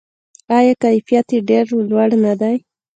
آیا کیفیت یې ډیر لوړ نه دی؟